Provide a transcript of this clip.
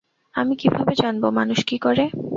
আমি কীভাবে জানবো মানুষ কী করে?